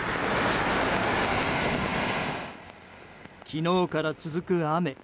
昨日から続く雨。